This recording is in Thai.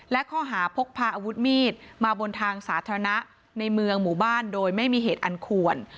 และข้อหาพกพาอาวุธมีดมาบนทางสาธารณะในเมืองหมู่บ้านโดยไม่มีเหตุอันควร